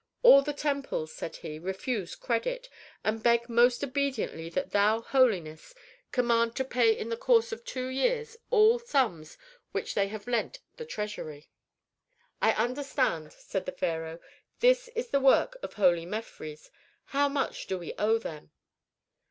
"All the temples," said he, "refuse credit, and beg most obediently that thou, holiness, command to pay in the course of two years all sums which they have lent the treasury." "I understand," said the pharaoh; "this is the work of holy Mefres. How much do we owe them?"